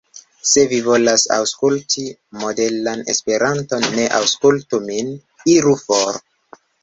Se vi volas aŭskutli modelan Esperanton, ne aŭskultu min. Iru for.